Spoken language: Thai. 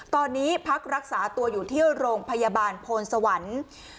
ตอนนี้พักรักษาตัวอยู่ที่โรงพยาบาลโพนสวรรค์